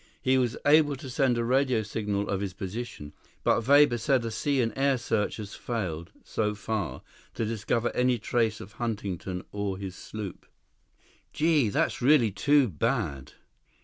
He was able to send a radio signal of his position, but Weber said a sea and air search has failed, so far, to discover any trace of Huntington or his sloop." "Gee, that's really too bad.